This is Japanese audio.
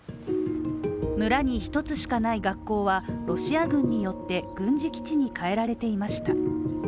村に一つしかない学校はロシア軍によって軍事基地に変えられていました。